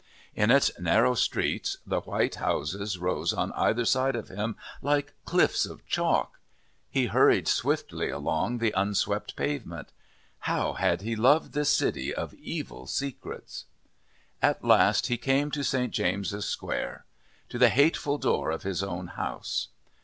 In its narrow streets the white houses rose on either side of him like cliffs of chalk. He hurried swiftly along the unswept pavement. How had he loved this city of evil secrets? At last he came to St. James's Square, to the hateful door of his own house.